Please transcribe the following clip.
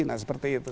nah seperti itu